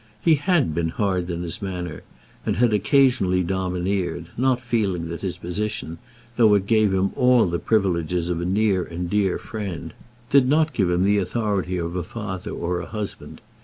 He had been hard in his manner, and had occasionally domineered, not feeling that his position, though it gave him all the privileges of a near and a dear friend, did not give him the authority of a father or a husband.